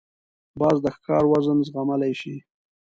باز د ښکار وزن زغملای شي